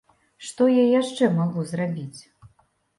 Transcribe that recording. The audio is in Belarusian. Што я яшчэ магу зрабіць?